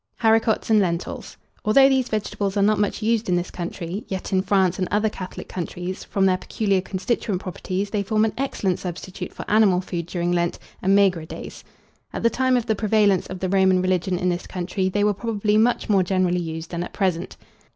HARICOTS AND LENTILS. Although these vegetables are not much used in this country, yet in France, and other Catholic countries, from their peculiar constituent properties, they form an excellent substitute for animal food during Lent and maigre days. At the time of the prevalence of the Roman religion in this country, they were probably much more generally used than at present.